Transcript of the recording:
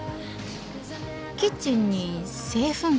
キッチンに製粉機が。